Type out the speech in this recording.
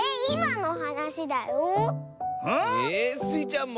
えスイちゃんも？